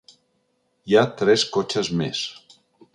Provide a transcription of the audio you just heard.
Hi ha tres cotxes més.